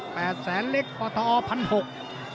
แปดแสนเล็กปอตออร์พันหก